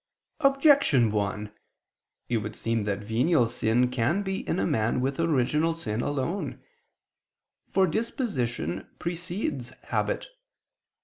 Objection 1: It would seem that venial sin can be in a man with original sin alone. For disposition precedes habit.